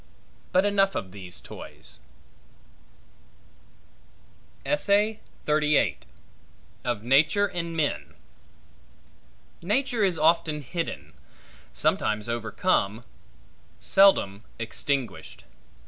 But enough of these toys. Of Nature In Men NATURE is often hidden; sometimes overcome; seldom extinguished.